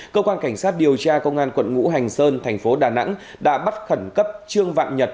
cơ quan cảnh sát điều tra công an quận ngũ hành sơn thành phố đà nẵng đã bắt khẩn cấp trương vạn nhật